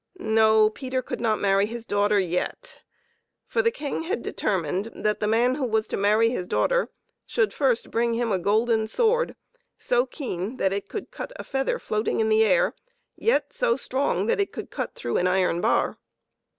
No, Peter could not marry his daugh ter yet, for the King had determined that the man who was to marry his daughter should first bring him a golden sword, so keen that it could cut a feather floating in the air, yet so strong that it could cut through an iron bar.